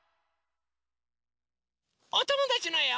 おともだちのえを。